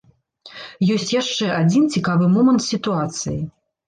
Ёсць яшчэ адзін цікавы момант сітуацыі.